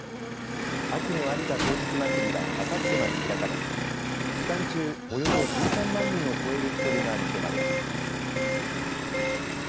秋の有田陶磁器まつりはあさってまで開かれ期間中およそ１３万人を超える人出が見込まれています。